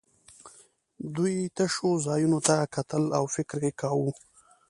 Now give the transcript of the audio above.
دوی تشو ځایونو ته کتل او فکر یې کاوه